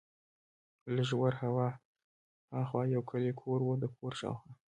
لږ ور ها خوا یو کلیوالي کور و، د کور شاوخوا.